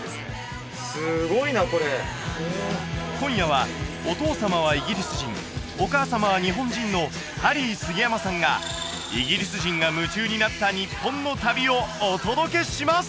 すごいなこれ今夜はお父様はイギリス人お母様は日本人のハリー杉山さんがイギリス人が夢中になった日本の旅をお届けします！